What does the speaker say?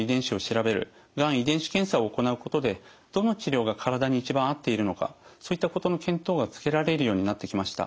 最近ではどの治療が体に一番合っているのかそういったことの見当がつけられるようになってきました。